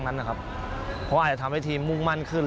เพราะอาจจะทำให้ทีมมุ่งมั่นขึ้น